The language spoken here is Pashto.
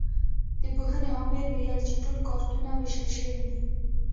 د پوهنې امر ویل چې ټول کارتونه وېشل شوي دي.